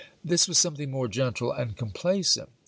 This was something more gentle and complacent.